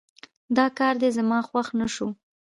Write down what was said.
دا کار دې زما خوښ نه شو